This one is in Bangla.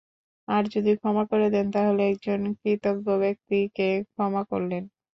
আর যদি ক্ষমা করে দেন তাহলে একজন কৃতজ্ঞ ব্যক্তিকে ক্ষমা করলেন।